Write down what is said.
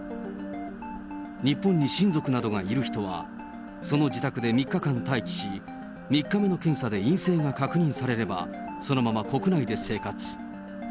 日本に親族などがいる人は、その自宅で３日間待機し、３日目の検査で陰性が確認されれば、そのまま国内で生活。